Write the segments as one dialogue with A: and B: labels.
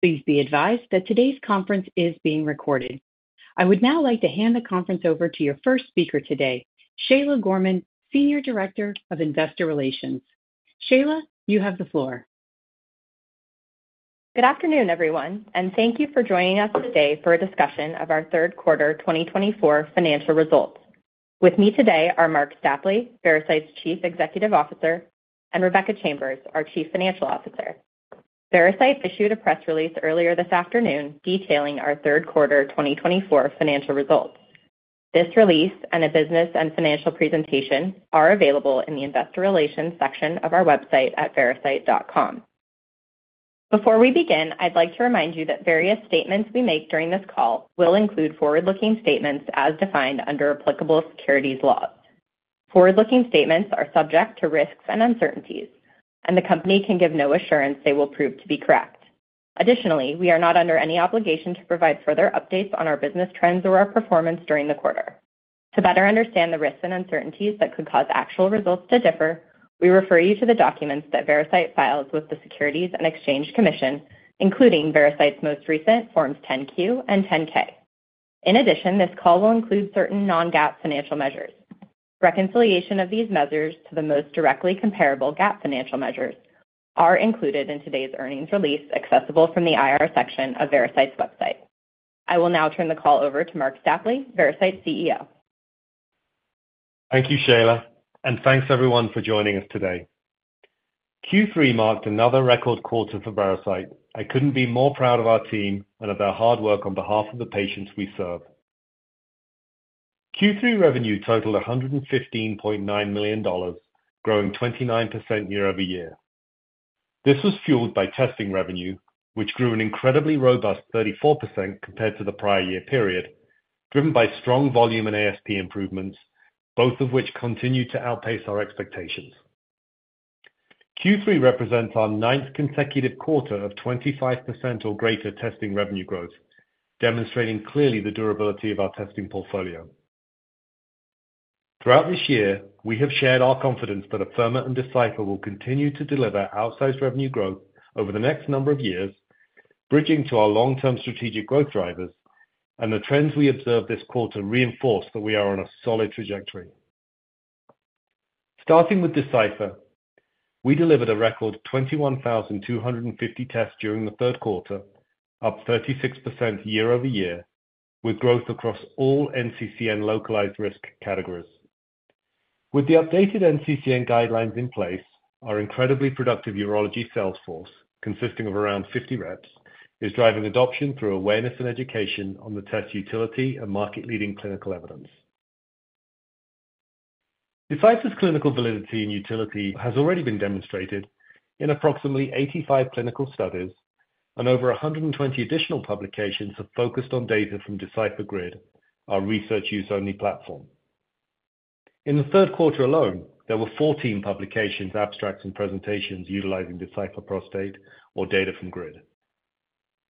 A: Please be advised that today's conference is being recorded. I would now like to hand the conference over to your first speaker today, Shayla Gorman, Senior Director of Investor Relations. Shayla, you have the floor.
B: Good afternoon, everyone, and thank you for joining us today for a discussion of our third quarter 2024 financial results. With me today are Marc Stapley, Veracyte's Chief Executive Officer, and Rebecca Chambers, our Chief Financial Officer. Veracyte issued a press release earlier this afternoon detailing our third quarter 2024 financial results. This release and a business and financial presentation are available in the Investor Relations section of our website at veracyte.com. Before we begin, I'd like to remind you that various statements we make during this call will include forward-looking statements as defined under applicable securities laws. Forward-looking statements are subject to risks and uncertainties, and the company can give no assurance they will prove to be correct. Additionally, we are not under any obligation to provide further updates on our business trends or our performance during the quarter. To better understand the risks and uncertainties that could cause actual results to differ, we refer you to the documents that Veracyte files with the Securities and Exchange Commission, including Veracyte's most recent Forms 10-Q and 10-K. In addition, this call will include certain non-GAAP financial measures. Reconciliation of these measures to the most directly comparable GAAP financial measures is included in today's earnings release accessible from the IR section of Veracyte's website. I will now turn the call over to Marc Stapley, Veracyte CEO.
C: Thank you, Shayla, and thanks everyone for joining us today. Q3 marked another record quarter for Veracyte. I couldn't be more proud of our team and of their hard work on behalf of the patients we serve. Q3 revenue totaled $115.9 million, growing 29% year over year. This was fueled by testing revenue, which grew an incredibly robust 34% compared to the prior year period, driven by strong volume and ASP improvements, both of which continued to outpace our expectations. Q3 represents our ninth consecutive quarter of 25% or greater testing revenue growth, demonstrating clearly the durability of our testing portfolio. Throughout this year, we have shared our confidence that Afirma and Decipher will continue to deliver outsized revenue growth over the next number of years, bridging to our long-term strategic growth drivers, and the trends we observed this quarter reinforce that we are on a solid trajectory. Starting with Decipher, we delivered a record 21,250 tests during the third quarter, up 36% year over year, with growth across all NCCN localized risk categories. With the updated NCCN guidelines in place, our incredibly productive urology sales force, consisting of around 50 reps, is driving adoption through awareness and education on the test utility and market-leading clinical evidence. Decipher's clinical validity and utility have already been demonstrated in approximately 85 clinical studies, and over 120 additional publications have focused on data from Decipher GRID, our research-use-only platform. In the third quarter alone, there were 14 publications, abstracts, and presentations utilizing Decipher Prostate or data from GRID.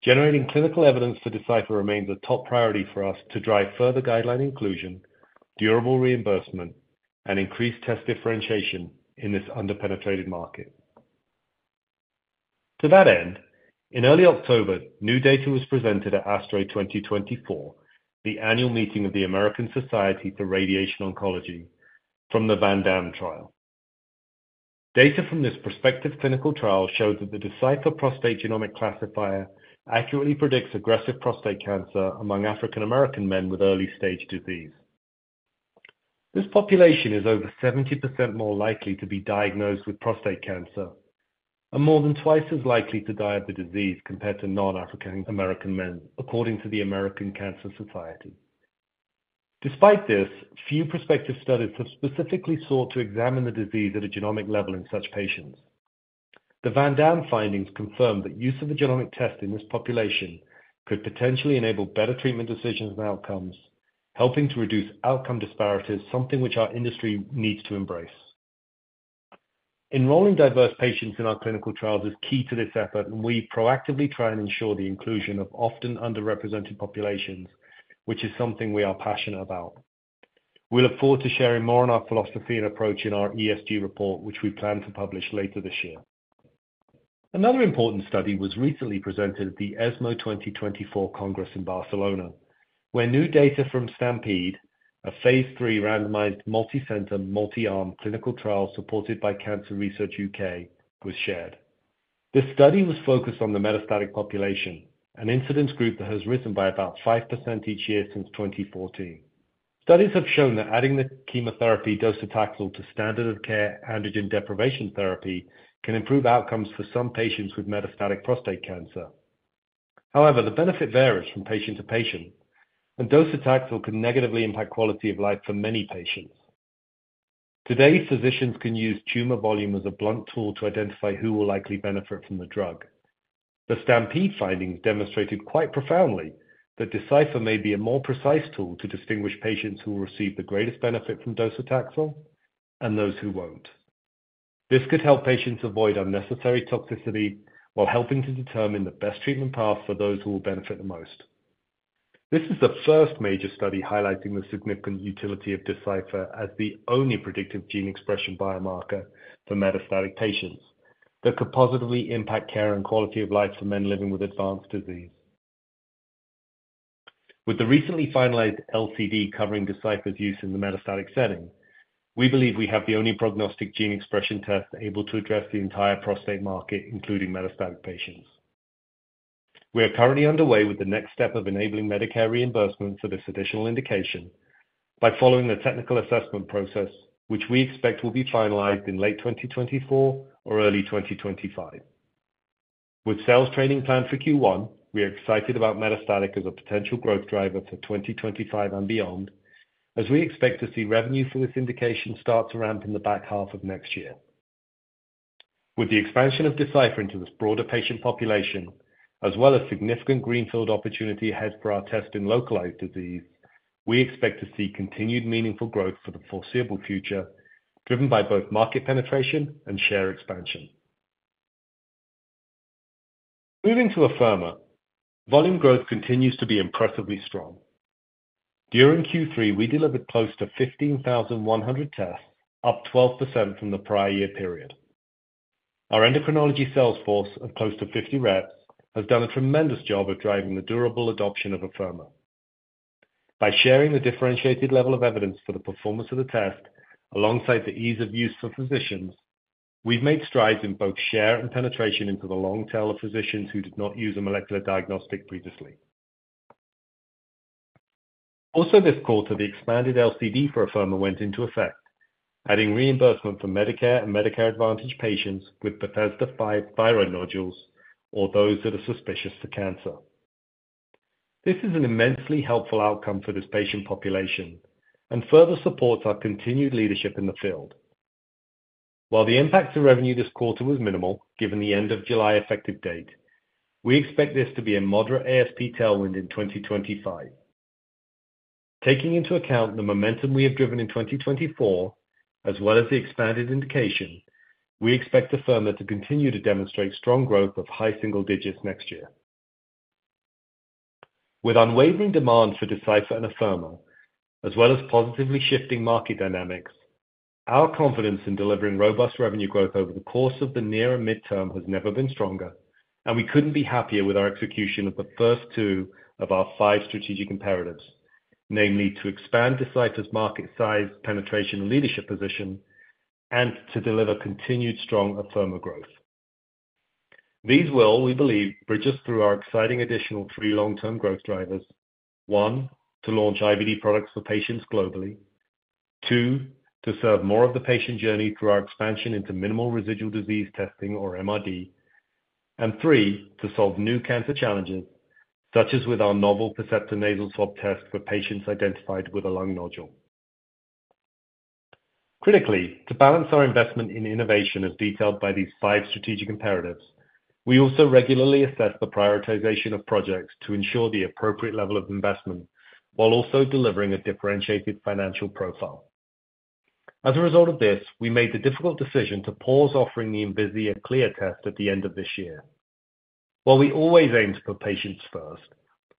C: Generating clinical evidence for Decipher remains a top priority for us to drive further guideline inclusion, durable reimbursement, and increased test differentiation in this under-penetrated market. To that end, in early October, new data was presented at ASTRO 2024, the annual meeting of the American Society for Radiation Oncology, from the VANDAAM trial. Data from this prospective clinical trial showed that the Decipher Prostate Genomic Classifier accurately predicts aggressive prostate cancer among African American men with early-stage disease. This population is over 70% more likely to be diagnosed with prostate cancer and more than twice as likely to die of the disease compared to non-African American men, according to the American Cancer Society. Despite this, few prospective studies have specifically sought to examine the disease at a genomic level in such patients. The VANDAAM findings confirm that use of the genomic test in this population could potentially enable better treatment decisions and outcomes, helping to reduce outcome disparities, something which our industry needs to embrace. Enrolling diverse patients in our clinical trials is key to this effort, and we proactively try and ensure the inclusion of often underrepresented populations, which is something we are passionate about. We look forward to sharing more on our philosophy and approach in our ESG report, which we plan to publish later this year. Another important study was recently presented at the ESMO 2024 Congress in Barcelona, where new data from STAMPEDE, a phase III randomized multi-center multi-arm clinical trial supported by Cancer Research UK, was shared. This study was focused on the metastatic population, an incidence group that has risen by about 5% each year since 2014. Studies have shown that adding the chemotherapy docetaxel to standard of care androgen deprivation therapy can improve outcomes for some patients with metastatic prostate cancer. However, the benefit varies from patient to patient, and docetaxel can negatively impact quality of life for many patients. Today, physicians can use tumor volume as a blunt tool to identify who will likely benefit from the drug. The STAMPEDE findings demonstrated quite profoundly that Decipher may be a more precise tool to distinguish patients who will receive the greatest benefit from docetaxel and those who won't. This could help patients avoid unnecessary toxicity while helping to determine the best treatment path for those who will benefit the most. This is the first major study highlighting the significant utility of Decipher as the only predictive gene expression biomarker for metastatic patients that could positively impact care and quality of life for men living with advanced disease. With the recently finalized LCD covering Decipher's use in the metastatic setting, we believe we have the only prognostic gene expression test able to address the entire prostate market, including metastatic patients. We are currently underway with the next step of enabling Medicare reimbursement for this additional indication by following the technical assessment process, which we expect will be finalized in late 2024 or early 2025. With sales training planned for Q1, we are excited about metastatic as a potential growth driver for 2025 and beyond, as we expect to see revenue for this indication start to ramp in the back half of next year. With the expansion of Decipher into this broader patient population, as well as significant greenfield opportunity ahead for our test in localized disease, we expect to see continued meaningful growth for the foreseeable future, driven by both market penetration and share expansion. Moving to Afirma, volume growth continues to be impressively strong. During Q3, we delivered close to 15,100 tests, up 12% from the prior year period. Our endocrinology sales force of close to 50 reps has done a tremendous job of driving the durable adoption of Afirma. By sharing the differentiated level of evidence for the performance of the test alongside the ease of use for physicians, we've made strides in both share and penetration into the long tail of physicians who did not use a molecular diagnostic previously. Also, this quarter, the expanded LCD for Afirma went into effect, adding reimbursement for Medicare and Medicare Advantage patients with Bethesda V thyroid nodules or those that are suspicious for cancer. This is an immensely helpful outcome for this patient population and further supports our continued leadership in the field. While the impact of revenue this quarter was minimal, given the end of July effective date, we expect this to be a moderate ASP tailwind in 2025. Taking into account the momentum we have driven in 2024, as well as the expanded indication, we expect Afirma to continue to demonstrate strong growth of high single digits next year. With unwavering demand for Decipher and Afirma, as well as positively shifting market dynamics, our confidence in delivering robust revenue growth over the course of the near and midterm has never been stronger, and we couldn't be happier with our execution of the first two of our five strategic imperatives, namely to expand Decipher's market size, penetration, and leadership position, and to deliver continued strong Afirma growth. These will, we believe, bridge us through our exciting additional three long-term growth drivers: one, to launch IVD products for patients globally; two, to serve more of the patient journey through our expansion into minimal residual disease testing, or MRD; and three, to solve new cancer challenges, such as with our novel Percepta nasal swab test for patients identified with a lung nodule. Critically, to balance our investment in innovation as detailed by these five strategic imperatives, we also regularly assess the prioritization of projects to ensure the appropriate level of investment while also delivering a differentiated financial profile. As a result of this, we made the difficult decision to pause offering the Envisia CLIA test at the end of this year. While we always aim to put patients first,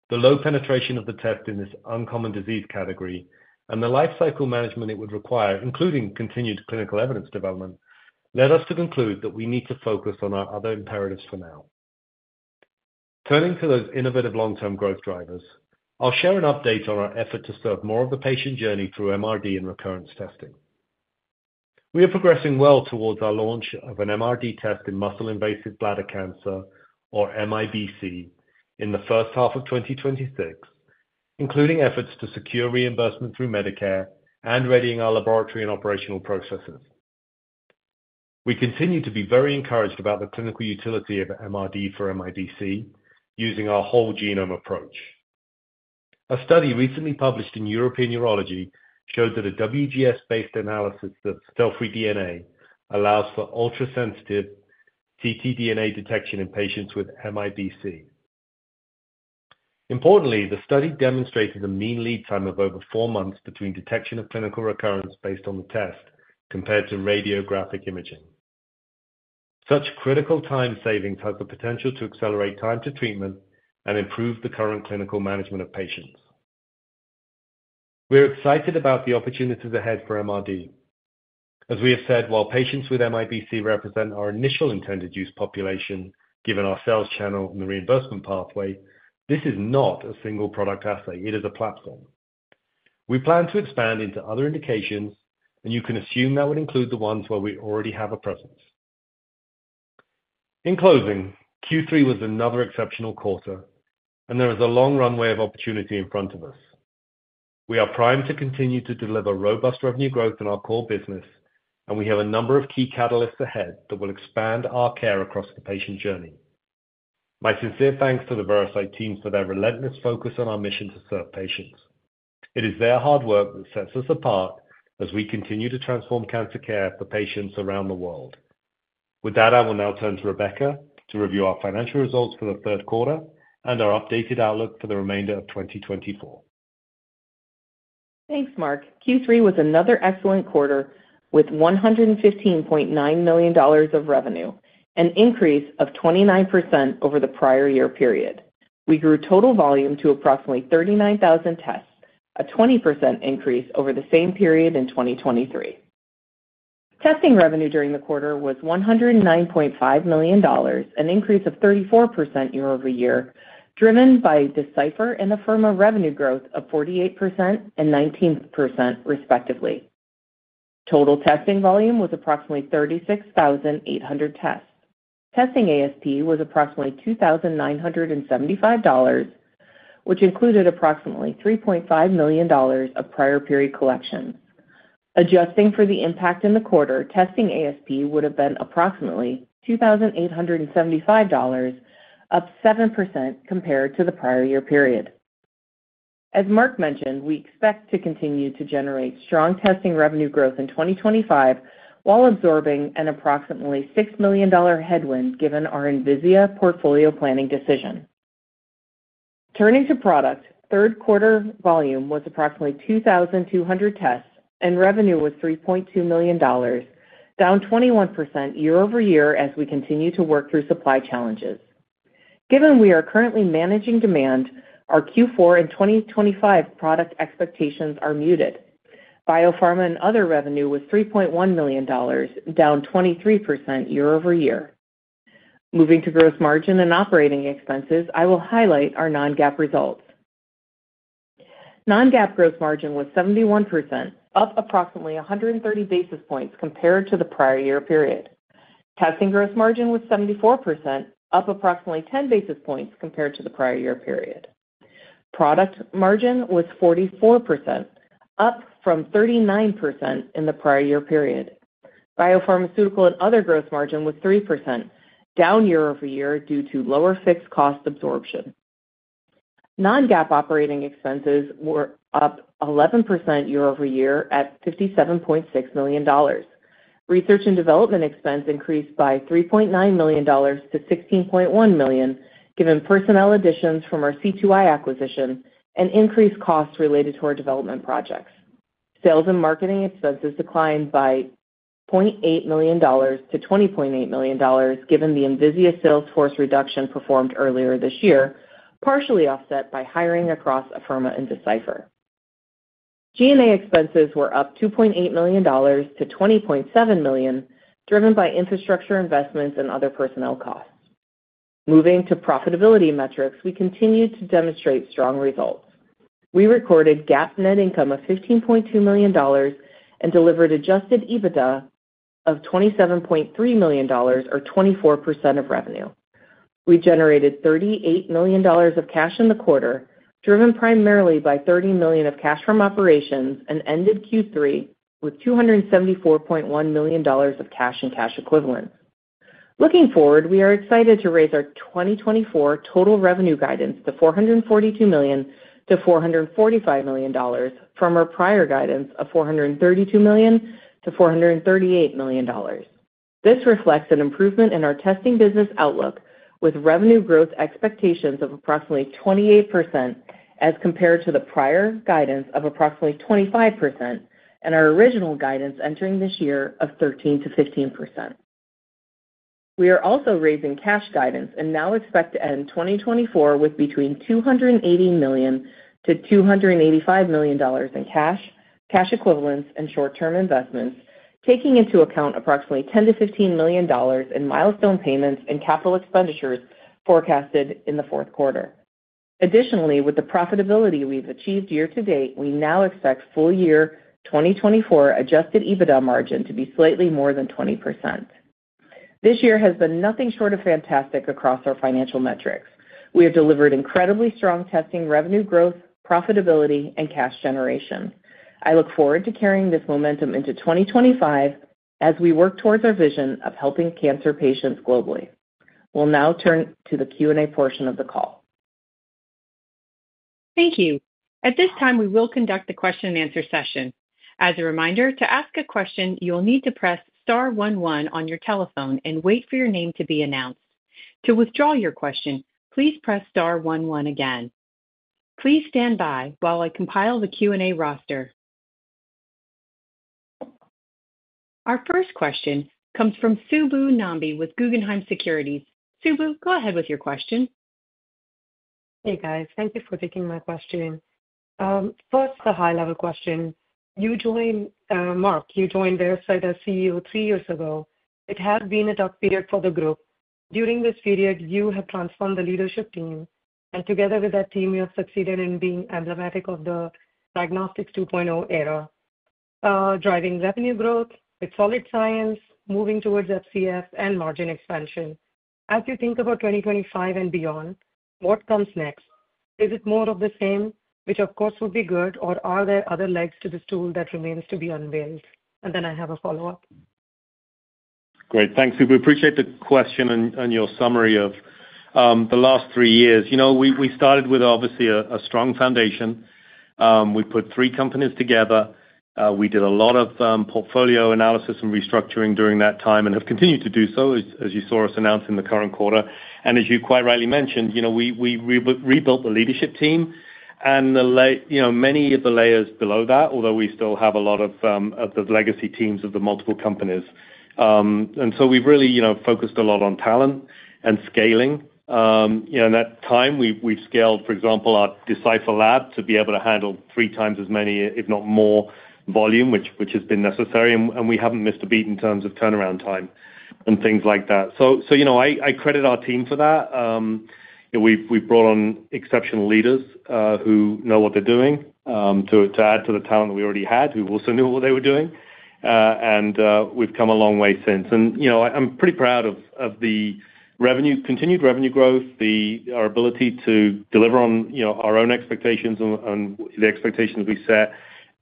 C: the low penetration of the test in this uncommon disease category and the life cycle management it would require, including continued clinical evidence development, led us to conclude that we need to focus on our other imperatives for now. Turning to those innovative long-term growth drivers, I'll share an update on our effort to serve more of the patient journey through MRD and recurrence testing. We are progressing well towards our launch of an MRD test in muscle-invasive bladder cancer, or MIBC, in the first half of 2026, including efforts to secure reimbursement through Medicare and readying our laboratory and operational processes. We continue to be very encouraged about the clinical utility of MRD for MIBC using our whole genome approach. A study recently published in European Urology showed that a WGS-based analysis of cell-free DNA allows for ultra-sensitive ctDNA detection in patients with MIBC. Importantly, the study demonstrated a mean lead time of over four months between detection of clinical recurrence based on the test compared to radiographic imaging. Such critical time savings have the potential to accelerate time to treatment and improve the current clinical management of patients. We're excited about the opportunities ahead for MRD. As we have said, while patients with MIBC represent our initial intended use population, given our sales channel and the reimbursement pathway, this is not a single product assay. It is a platform. We plan to expand into other indications, and you can assume that would include the ones where we already have a presence. In closing, Q3 was another exceptional quarter, and there is a long runway of opportunity in front of us. We are primed to continue to deliver robust revenue growth in our core business, and we have a number of key catalysts ahead that will expand our care across the patient journey. My sincere thanks to the Veracyte team for their relentless focus on our mission to serve patients. It is their hard work that sets us apart as we continue to transform cancer care for patients around the world. With that, I will now turn to Rebecca to review our financial results for the third quarter and our updated outlook for the remainder of 2024.
D: Thanks, Marc. Q3 was another excellent quarter with $115.9 million of revenue, an increase of 29% over the prior year period. We grew total volume to approximately 39,000 tests, a 20% increase over the same period in 2023. Testing revenue during the quarter was $109.5 million, an increase of 34% year over year, driven by Decipher and Afirma revenue growth of 48% and 19%, respectively. Total testing volume was approximately 36,800 tests. Testing ASP was approximately $2,975, which included approximately $3.5 million of prior period collections. Adjusting for the impact in the quarter, testing ASP would have been approximately $2,875, up 7% compared to the prior year period. As Marc mentioned, we expect to continue to generate strong testing revenue growth in 2025 while absorbing an approximately $6 million headwind given our Envisia portfolio planning decision. Turning to product, third quarter volume was approximately 2,200 tests, and revenue was $3.2 million, down 21% year over year as we continue to work through supply challenges. Given we are currently managing demand, our Q4 and 2025 product expectations are muted. Biopharma and other revenue was $3.1 million, down 23% year over year. Moving to gross margin and operating expenses, I will highlight our non-GAAP results. Non-GAAP gross margin was 71%, up approximately 130 basis points compared to the prior year period. Testing gross margin was 74%, up approximately 10 basis points compared to the prior year period. Product margin was 44%, up from 39% in the prior year period. Biopharmaceutical and other gross margin was 3%, down year over year due to lower fixed cost absorption. Non-GAAP operating expenses were up 11% year over year at $57.6 million. Research and development expense increased by $3.9 million to $16.1 million, given personnel additions from our C2i acquisition and increased costs related to our development projects. Sales and marketing expenses declined by $0.8 million to $20.8 million, given the Envisia sales force reduction performed earlier this year, partially offset by hiring across Afirma and Decipher. G&A expenses were up $2.8 million to $20.7 million, driven by infrastructure investments and other personnel costs. Moving to profitability metrics, we continued to demonstrate strong results. We recorded GAAP net income of $15.2 million and delivered Adjusted EBITDA of $27.3 million, or 24% of revenue. We generated $38 million of cash in the quarter, driven primarily by $30 million of cash from operations, and ended Q3 with $274.1 million of cash and cash equivalents. Looking forward, we are excited to raise our 2024 total revenue guidance to $442 million-$445 million from our prior guidance of $432 million-$438 million. This reflects an improvement in our testing business outlook, with revenue growth expectations of approximately 28% as compared to the prior guidance of approximately 25% and our original guidance entering this year of 13%-15%. We are also raising cash guidance and now expect to end 2024 with between $280 million-$285 million in cash, cash equivalents, and short-term investments, taking into account approximately $10-$15 million in milestone payments and capital expenditures forecasted in the fourth quarter. Additionally, with the profitability we've achieved year to date, we now expect full year 2024 Adjusted EBITDA margin to be slightly more than 20%. This year has been nothing short of fantastic across our financial metrics. We have delivered incredibly strong testing revenue growth, profitability, and cash generation. I look forward to carrying this momentum into 2025 as we work towards our vision of helping cancer patients globally. We'll now turn to the Q&A portion of the call.
A: Thank you. At this time, we will conduct the question-and-answer session. As a reminder, to ask a question, you'll need to press star one one on your telephone and wait for your name to be announced. To withdraw your question, please press star one one again. Please stand by while I compile the Q&A roster. Our first question comes from Subbu Nambi with Guggenheim Securities. Subbu, go ahead with your question.
E: Hey, guys. Thank you for taking my question. First, a high-level question. You joined, Marc, you joined Veracyte as CEO three years ago. It has been a tough period for the group. During this period, you have transformed the leadership team, and together with that team, you have succeeded in being emblematic of the diagnostics 2.0 era, driving revenue growth with solid science, moving towards FCF and margin expansion. As you think about 2025 and beyond, what comes next? Is it more of the same, which of course would be good, or are there other legs to this tool that remains to be unveiled? And then I have a follow-up.
C: Great. Thanks, Subbu. Appreciate the question and your summary of the last three years. We started with, obviously, a strong foundation. We put three companies together. We did a lot of portfolio analysis and restructuring during that time and have continued to do so, as you saw us announcing the current quarter. And as you quite rightly mentioned, we rebuilt the leadership team and many of the layers below that, although we still have a lot of the legacy teams of the multiple companies. And so we've really focused a lot on talent and scaling. In that time, we've scaled, for example, our Decipher lab to be able to handle three times as many, if not more, volume, which has been necessary, and we haven't missed a beat in terms of turnaround time and things like that. So I credit our team for that. We've brought on exceptional leaders who know what they're doing to add to the talent that we already had, who also knew what they were doing, and we've come a long way since. And I'm pretty proud of the continued revenue growth, our ability to deliver on our own expectations and the expectations we set,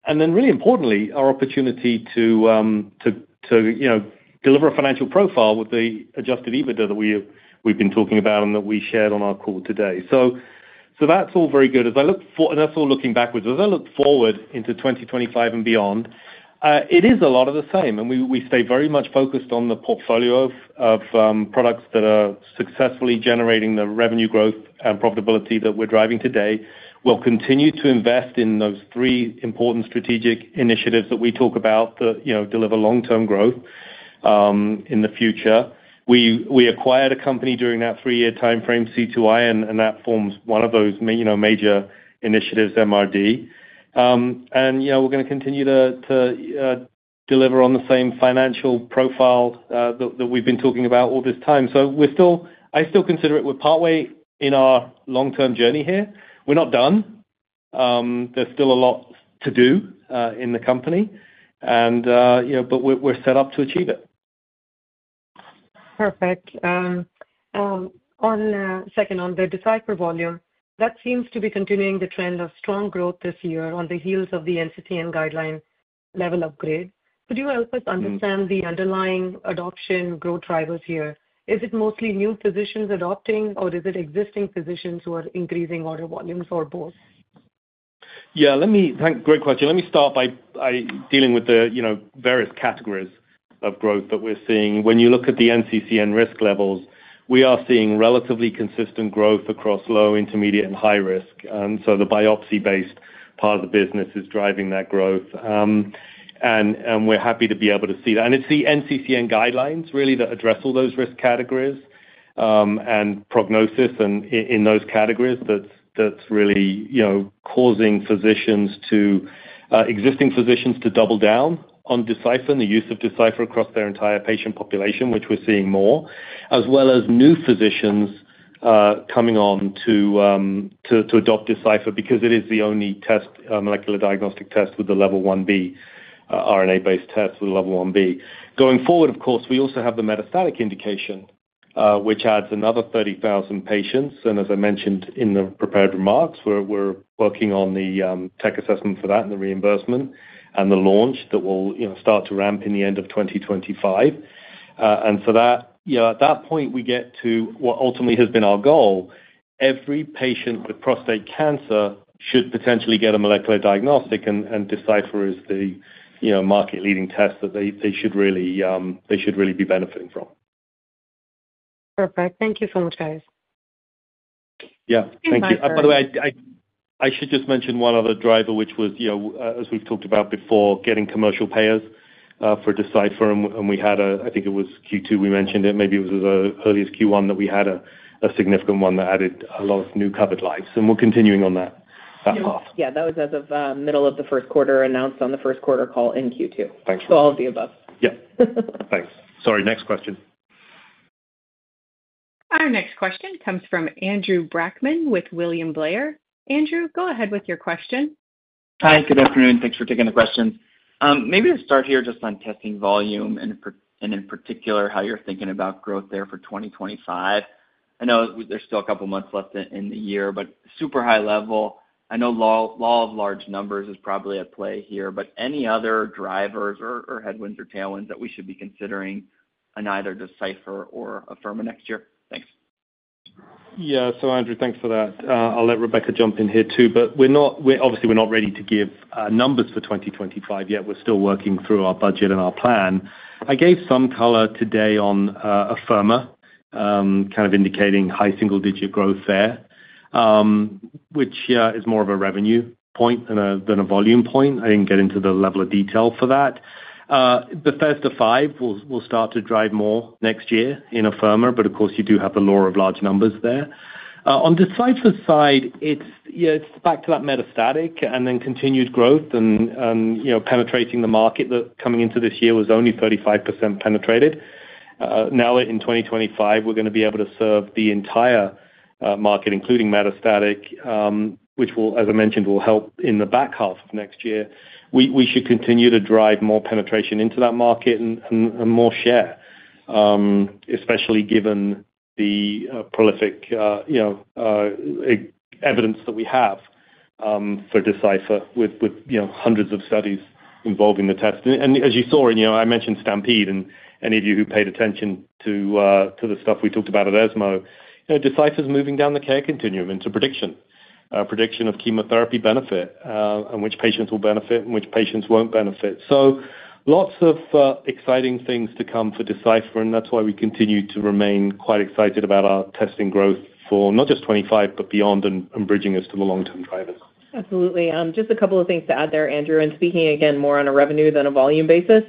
C: and then, really importantly, our opportunity to deliver a financial profile with the Adjusted EBITDA that we've been talking about and that we shared on our call today. So that's all very good. And that's all looking backwards. As I look forward into 2025 and beyond, it is a lot of the same, and we stay very much focused on the portfolio of products that are successfully generating the revenue growth and profitability that we're driving today. We'll continue to invest in those three important strategic initiatives that we talk about that deliver long-term growth in the future. We acquired a company during that three-year timeframe, C2I, and that forms one of those major initiatives, MRD, and we're going to continue to deliver on the same financial profile that we've been talking about all this time. So I still consider it we're partway in our long-term journey here. We're not done. There's still a lot to do in the company, but we're set up to achieve it.
E: Perfect. Second, on the Decipher volume, that seems to be continuing the trend of strong growth this year on the heels of the NCCN guideline level upgrade. Could you help us understand the underlying adoption growth drivers here? Is it mostly new physicians adopting, or is it existing physicians who are increasing order volumes, or both?
C: Yeah. Great question. Let me start by dealing with the various categories of growth that we're seeing. When you look at the NCCN risk levels, we are seeing relatively consistent growth across low, intermediate, and high risk. And so the biopsy-based part of the business is driving that growth, and we're happy to be able to see that. And it's the NCCN guidelines, really, that address all those risk categories and prognosis, and in those categories, that's really causing existing physicians to double down on Decipher and the use of Decipher across their entire patient population, which we're seeing more, as well as new physicians coming on to adopt Decipher because it is the only molecular diagnostic test with the Level 1B, RNA-based test with Level 1B. Going forward, of course, we also have the metastatic indication, which adds another 30,000 patients. And as I mentioned in the prepared remarks, we're working on the tech assessment for that and the reimbursement and the launch that will start to ramp in the end of 2025. And so at that point, we get to what ultimately has been our goal. Every patient with prostate cancer should potentially get a molecular diagnostic, and Decipher is the market-leading test that they should really be benefiting from.
E: Perfect. Thank you so much, guys.
C: Yeah. Thank you. By the way, I should just mention one other driver, which was, as we've talked about before, getting commercial payers for Decipher. And we had a. I think it was Q2. We mentioned it. Maybe it was as early as Q1 that we had a significant one that added a lot of new covered lives. And we're continuing on that path.
D: Yeah. That was as of middle of the first quarter, announced on the first quarter call in Q2. Thanks for all of the above.
C: Yeah. Thanks. Sorry. Next question.
A: Our next question comes from Andrew Brackmann with William Blair. Andrew, go ahead with your question. Hi. Good afternoon. Thanks for taking the question.
F: Maybe to start here, just on testing volume and, in particular, how you're thinking about growth there for 2025. I know there's still a couple of months left in the year, but super high level, I know law of large numbers is probably at play here, but any other drivers or headwinds or tailwinds that we should be considering on either Decipher or Afirma next year? Thanks.
C: Yeah. So, Andrew, thanks for that. I'll let Rebecca jump in here too. But obviously, we're not ready to give numbers for 2025 yet. We're still working through our budget and our plan. I gave some color today on Afirma, kind of indicating high single-digit growth there, which is more of a revenue point than a volume point. I didn't get into the level of detail for that. The first of five will start to drive more next year in Afirma, but of course, you do have the law of large numbers there. On Decipher's side, it's back to that metastatic and then continued growth and penetrating the market that coming into this year was only 35% penetrated. Now, in 2025, we're going to be able to serve the entire market, including metastatic, which, as I mentioned, will help in the back half of next year. We should continue to drive more penetration into that market and more share, especially given the prolific evidence that we have for Decipher with hundreds of studies involving the test. As you saw, and I mentioned STAMPEDE and any of you who paid attention to the stuff we talked about at ESMO, Decipher's moving down the care continuum into prediction, prediction of chemotherapy benefit, and which patients will benefit and which patients won't benefit. So lots of exciting things to come for Decipher, and that's why we continue to remain quite excited about our testing growth for not just 2025, but beyond and bridging us to the long-term drivers.
D: Absolutely. Just a couple of things to add there, Andrew. And speaking again more on a revenue than a volume basis,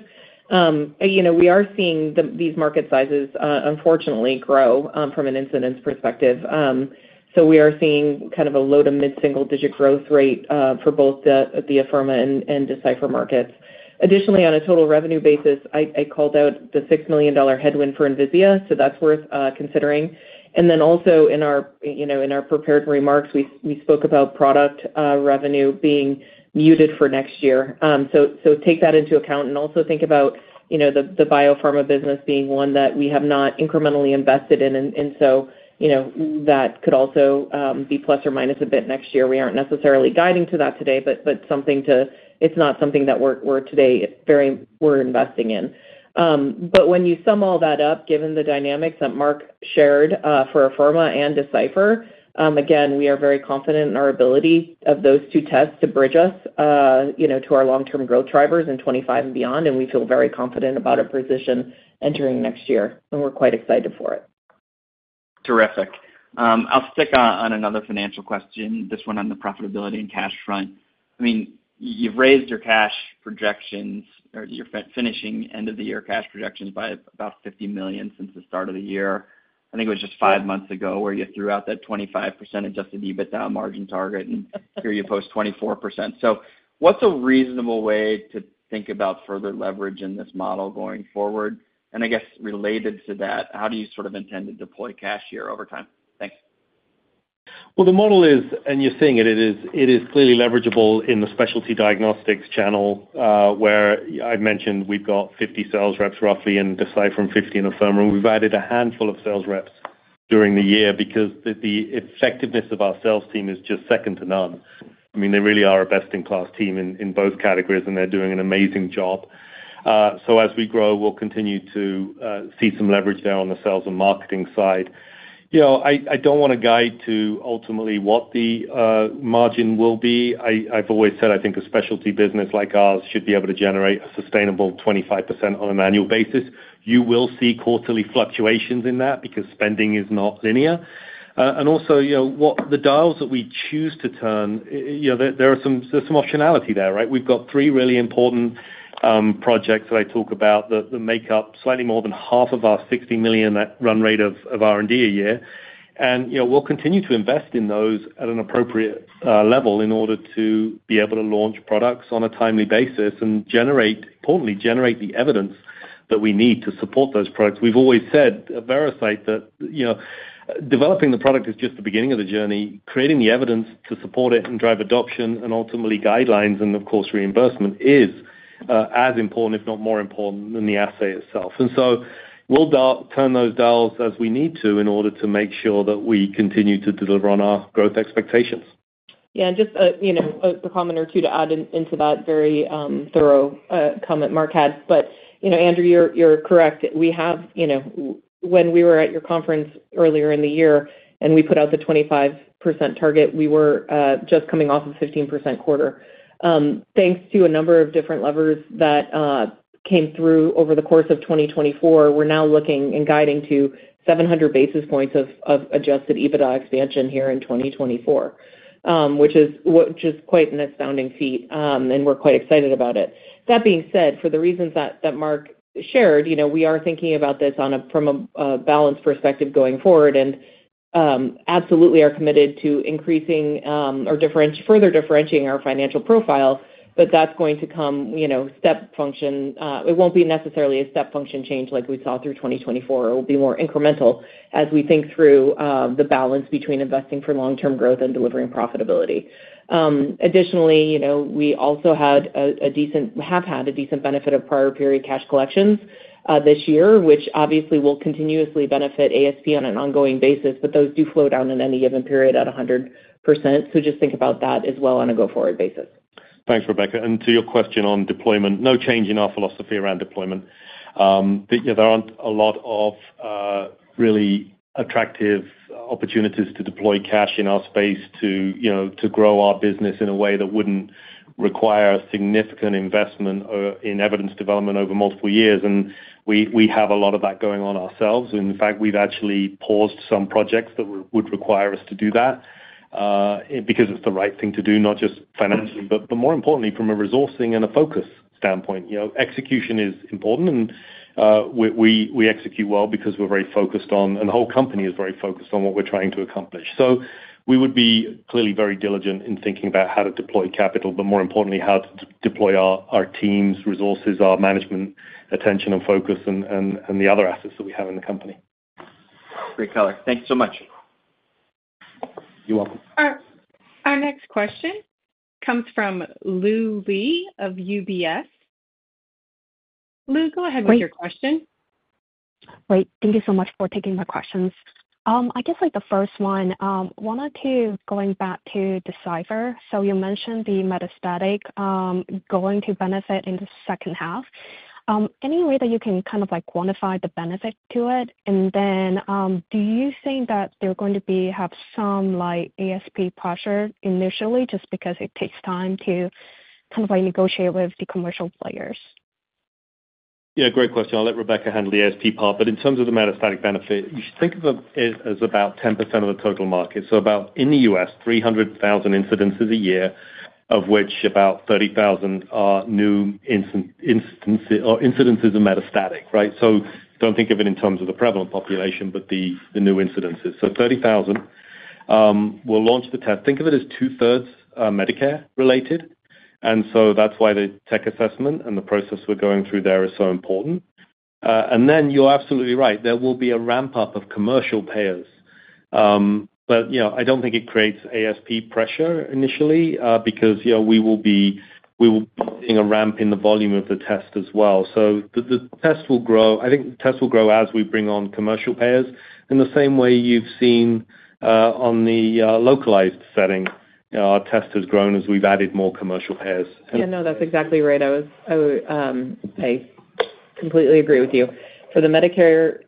D: we are seeing these market sizes, unfortunately, grow from an incidence perspective. So we are seeing kind of a low to mid-single-digit growth rate for both the Afirma and Decipher markets. Additionally, on a total revenue basis, I called out the $6 million headwind for Envisia, so that's worth considering. And then also in our prepared remarks, we spoke about product revenue being muted for next year. So take that into account and also think about the BioPharma business being one that we have not incrementally invested in. And so that could also be plus or minus a bit next year. We aren't necessarily guiding to that today, but it's not something that we're today investing in. But when you sum all that up, given the dynamics that Marc shared for Afirma and Decipher, again, we are very confident in our ability of those two tests to bridge us to our long-term growth drivers in 2025 and beyond, and we feel very confident about our position entering next year, and we're quite excited for it.
F: Terrific. I'll stick on another financial question, this one on the profitability and cash front. I mean, you've raised your cash projections or you're finishing end-of-the-year cash projections by about $50 million since the start of the year. I think it was just five months ago where you threw out that 25% Adjusted EBITDA margin target, and here you post 24%. So what's a reasonable way to think about further leverage in this model going forward? And I guess related to that, how do you sort of intend to deploy cash here over time? Thanks.
C: Well, the model is, and you're seeing it, it is clearly leverageable in the specialty diagnostics channel where I mentioned we've got 50 sales reps, roughly, and Decipher and 50 in Afirma. We've added a handful of sales reps during the year because the effectiveness of our sales team is just second to none. I mean, they really are a best-in-class team in both categories, and they're doing an amazing job. So as we grow, we'll continue to see some leverage there on the sales and marketing side. I don't want to guide to ultimately what the margin will be. I've always said, I think a specialty business like ours should be able to generate a sustainable 25% on an annual basis. You will see quarterly fluctuations in that because spending is not linear. And also, the dials that we choose to turn, there's some optionality there, right? We've got three really important projects that I talk about that make up slightly more than half of our $60 million run rate of R&D a year. We'll continue to invest in those at an appropriate level in order to be able to launch products on a timely basis and, importantly, generate the evidence that we need to support those products. We've always said at Veracyte that developing the product is just the beginning of the journey. Creating the evidence to support it and drive adoption and ultimately guidelines and, of course, reimbursement is as important, if not more important, than the assay itself. So we'll turn those dials as we need to in order to make sure that we continue to deliver on our growth expectations.
D: Yeah. Just a comment or two to add into that very thorough comment Marc had. But Andrew, you're correct. When we were at your conference earlier in the year and we put out the 25% target, we were just coming off of a 15% quarter. Thanks to a number of different levers that came through over the course of 2024, we're now looking and guiding to 700 basis points of Adjusted EBITDA expansion here in 2024, which is quite an astounding feat, and we're quite excited about it. That being said, for the reasons that Marc shared, we are thinking about this from a balance perspective going forward and absolutely are committed to further differentiating our financial profile, but that's going to come step function. It won't be necessarily a step function change like we saw through 2024. It will be more incremental as we think through the balance between investing for long-term growth and delivering profitability. Additionally, we also have had a decent benefit of prior-period cash collections this year, which obviously will continuously benefit ASP on an ongoing basis, but those do flow down in any given period at 100%. So just think about that as well on a go-forward basis.
C: Thanks, Rebecca. And to your question on deployment, no change in our philosophy around deployment. There aren't a lot of really attractive opportunities to deploy cash in our space to grow our business in a way that wouldn't require a significant investment in evidence development over multiple years. And we have a lot of that going on ourselves. In fact, we've actually paused some projects that would require us to do that because it's the right thing to do, not just financially, but more importantly, from a resourcing and a focus standpoint. Execution is important, and we execute well because we're very focused on, and the whole company is very focused on what we're trying to accomplish. So we would be clearly very diligent in thinking about how to deploy capital, but more importantly, how to deploy our team's resources, our management attention and focus, and the other assets that we have in the company.
F: Great color. Thank you so much.
C: You're welcome.
A: Our next question comes from Lu Li of UBS. Lui, go ahead with your question.
G: Great. Thank you so much for taking my questions. I guess the first one, wanted to going back to Decipher. So you mentioned the metastatic going to benefit in the second half. Any way that you can kind of quantify the benefit to it? And then do you think that they're going to have some ASP pressure initially just because it takes time to kind of negotiate with the commercial players?
C: Yeah. Great question. I'll let Rebecca handle the ASP part. But in terms of the metastatic benefit, you should think of it as about 10% of the total market. So in the U.S., 300,000 incidences a year, of which about 30,000 are new incidences of metastatic, right? So don't think of it in terms of the prevalent population, but the new incidences. So 30,000 will launch the test. Think of it as two-thirds Medicare-related. And so that's why the tech assessment and the process we're going through there is so important. And then you're absolutely right. There will be a ramp-up of commercial payers. But I don't think it creates ASP pressure initially because we will be seeing a ramp in the volume of the test as well. So the test will grow I think as we bring on commercial payers. In the same way you've seen on the localized setting, our test has grown as we've added more commercial payers.
D: Yeah. No, that's exactly right. I completely agree with you. For the Medicare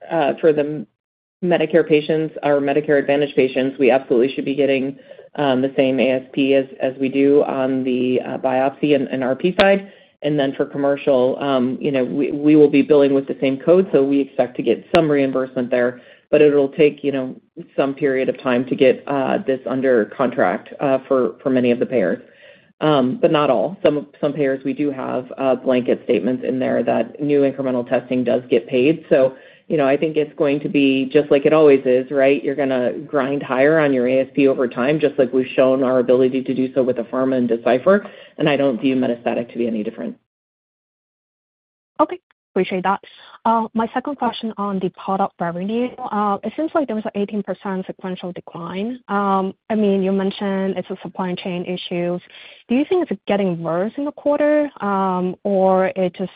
D: patients or Medicare Advantage patients, we absolutely should be getting the same ASP as we do on the biopsy and RP side. And then for commercial, we will be billing with the same code, so we expect to get some reimbursement there. But it'll take some period of time to get this under contract for many of the payers, but not all. Some payers, we do have blanket statements in there that new incremental testing does get paid. So I think it's going to be just like it always is, right? You're going to grind higher on your ASP over time, just like we've shown our ability to do so with Afirma and Decipher. And I don't view metastatic to be any different.
G: Okay. Appreciate that. My second question on the product revenue, it seems like there was an 18% sequential decline. I mean, you mentioned it's a supply chain issue. Do you think it's getting worse in the quarter, or it's just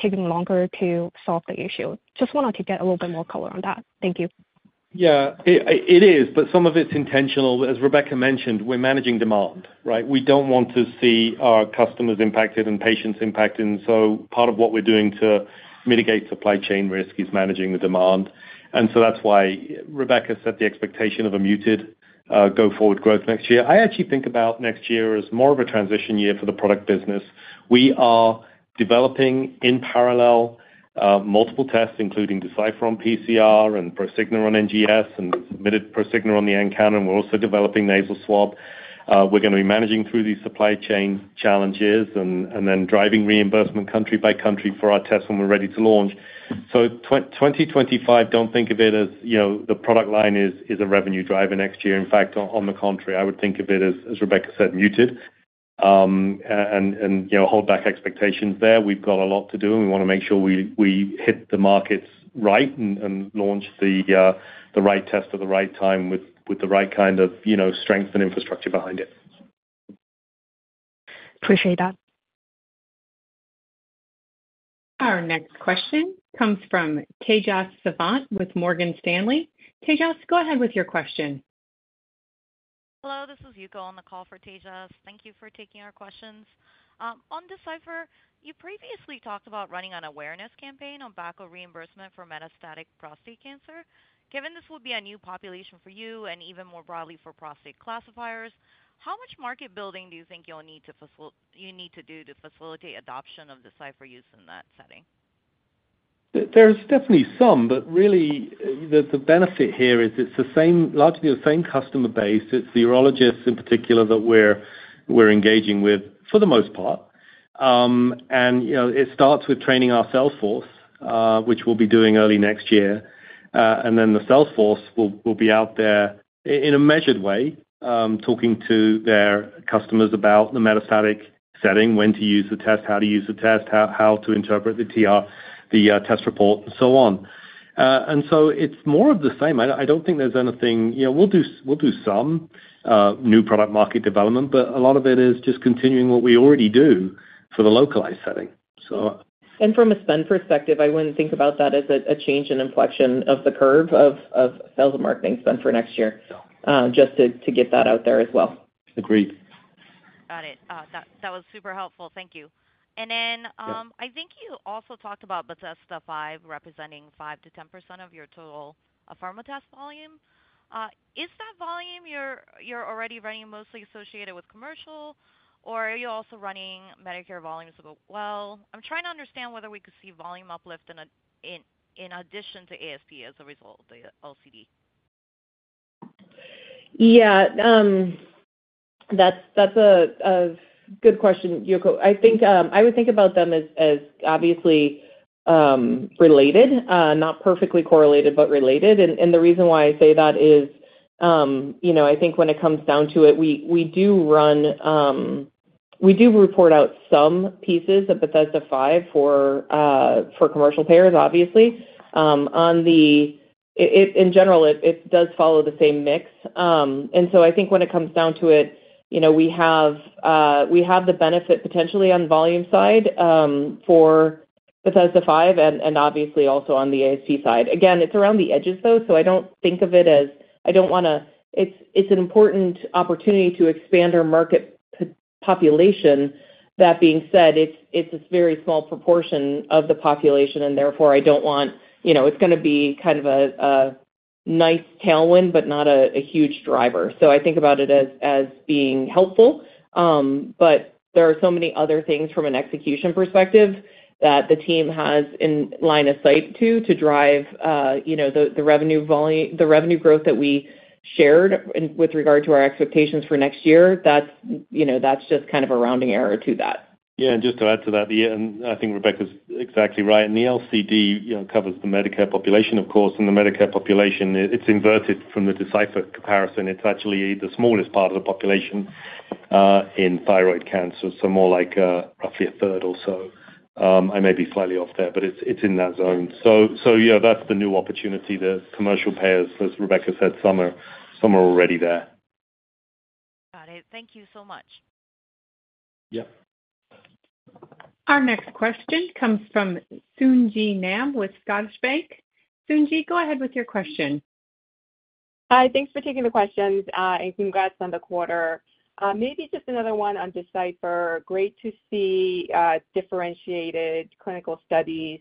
G: taking longer to solve the issue? Just wanted to get a little bit more color on that. Thank you.
C: Yeah. It is, but some of it's intentional. As Rebecca mentioned, we're managing demand, right? We don't want to see our customers impacted and patients impacted. And so part of what we're doing to mitigate supply chain risk is managing the demand. And so that's why Rebecca set the expectation of a muted go-forward growth next year. I actually think about next year as more of a transition year for the product business. We are developing in parallel multiple tests, including Decipher on PCR and Prosigna on NGS and submitted Prosigna on the nCounter. We're also developing nasal swab. We're going to be managing through these supply chain challenges and then driving reimbursement country by country for our tests when we're ready to launch. So, 2025, don't think of it as the product line is a revenue driver next year. In fact, on the contrary, I would think of it, as Rebecca said, muted, and hold back expectations there. We've got a lot to do, and we want to make sure we hit the markets right and launch the right test at the right time with the right kind of strength and infrastructure behind it.
G: Appreciate that.
A: Our next question comes from Tejas Savant with Morgan Stanley. Tejas, go ahead with your question.
H: Hello. This is Yuko on the call for Tejas. Thank you for taking our questions. On Decipher, you previously talked about running an awareness campaign on backup reimbursement for metastatic prostate cancer. Given this will be a new population for you and even more broadly for prostate classifiers, how much market building do you think you'll need to do to facilitate adoption of Decipher use in that setting?
C: There's definitely some, but really, the benefit here is it's largely the same customer base. It's the urologists in particular that we're engaging with for the most part. And it starts with training our sales force, which we'll be doing early next year. And then the sales force will be out there in a measured way, talking to their customers about the metastatic setting, when to use the test, how to use the test, how to interpret the test report, and so on. And so it's more of the same. I don't think there's anything we'll do some new product market development, but a lot of it is just continuing what we already do for the localized setting.
D: And from a spend perspective, I wouldn't think about that as a change in inflection of the curve of sales and marketing spend for next year, just to get that out there as well.
C: Agreed.
H: Got it. That was super helpful. Thank you. And then I think you also talked about Bethesda V representing 5%-10% of your total Afirma test volume. Is that volume you're already running mostly associated with commercial, or are you also running Medicare volumes as well? I'm trying to understand whether we could see volume uplift in addition to ASP as a result of the LCD.
D: Yeah. That's a good question, Yuko. I would think about them as obviously related, not perfectly correlated, but related. The reason why I say that is I think when it comes down to it, we do report out some pieces of Bethesda V for commercial payers, obviously. In general, it does follow the same mix. So I think when it comes down to it, we have the benefit potentially on volume side for Bethesda V and obviously also on the ASP side. Again, it's around the edges, though, so I don't think of it as I don't want to it's an important opportunity to expand our market population. That being said, it's a very small proportion of the population, and therefore, I don't want it's going to be kind of a nice tailwind, but not a huge driver. So I think about it as being helpful. But there are so many other things from an execution perspective that the team has in line of sight to drive the revenue growth that we shared with regard to our expectations for next year. That's just kind of a rounding error to that.
C: Yeah. And just to add to that, and I think Rebecca's exactly right. And the LCD covers the Medicare population, of course. And the Medicare population, it's inverted from the Decipher comparison. It's actually the smallest part of the population in thyroid cancer, so more like roughly a third or so. I may be slightly off there, but it's in that zone. So yeah, that's the new opportunity. The commercial payers, as Rebecca said, some are already there.
H: Got it. Thank you so much.
C: Yep.
A: Our next question comes from Sung Ji Nam with Scotiabank. Sung Ji Nam, go ahead with your question. Hi.
I: Thanks for taking the questions and congrats on the quarter. Maybe just another one on Decipher. Great to see differentiated clinical studies